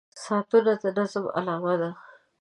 • ساعتونه د نظم علامه ده.